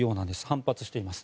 反発しています。